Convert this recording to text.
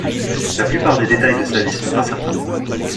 La plupart des détails de sa vie sont incertains.